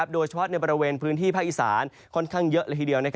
โดยเฉพาะในบริเวณพื้นที่ภาคอีสานค่อนข้างเยอะเลยทีเดียว